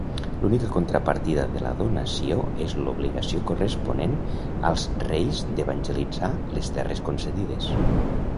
L'única contrapartida de la donació és l'obligació corresponent als reis d'evangelitzar les terres concedides.